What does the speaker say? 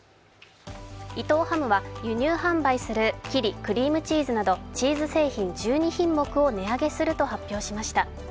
伊藤ハムは輸入販売するキリクリームチーズなどチーズ製品１２品目を値上げすると発表しました。